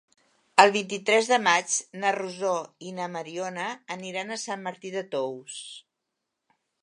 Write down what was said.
El vint-i-tres de maig na Rosó i na Mariona aniran a Sant Martí de Tous.